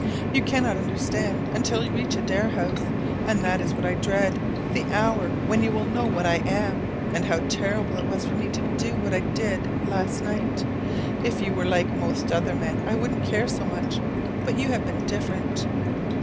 "You cannot understand until you reach Adare House. And that is what I dread, the hour when you will know what I am, and how terrible it was for me to do what I did last night. If you were like most other men, I wouldn't care so much. But you have been different."